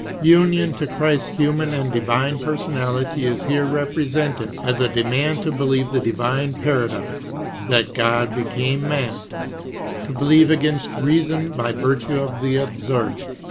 Union to Christ's human and divine personality is here represented as a demand to heUevei\\Q divine paradox, that God became man — to believe against reason by virtue of the absurd.